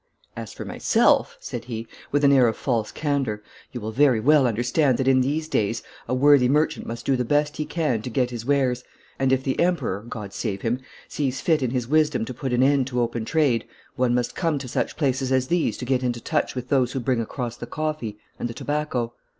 'As for myself,' said he, with an air of false candour, 'you will very well understand that in these days a worthy merchant must do the best he can to get his wares, and if the Emperor, God save him, sees fit in his wisdom to put an end to open trade, one must come to such places as these to get into touch with those who bring across the coffee and the tobacco.